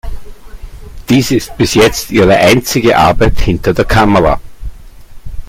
Dies ist bis jetzt ihre einzige Arbeit hinter der Kamera.